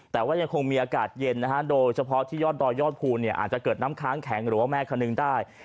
แต่ว่ายังคงมีอากาศเย็นนะฮะโดยเฉพาะที่ยอดดอยยอดภูเนี่ยอาจจะเกิดน้ำค้างแข็งหรือว่าแม่คนนึงได้